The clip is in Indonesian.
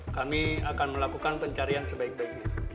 kami akan melakukan pencarian sebaik baiknya